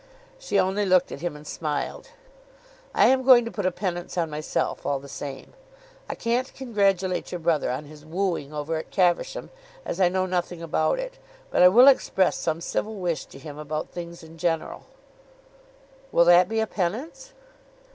She only looked at him and smiled. "I am going to put a penance on myself all the same. I can't congratulate your brother on his wooing over at Caversham, as I know nothing about it, but I will express some civil wish to him about things in general." "Will that be a penance?"